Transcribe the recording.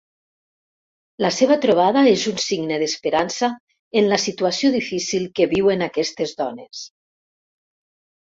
La seva trobada és un signe d'esperança en la situació difícil que viuen aquestes dones.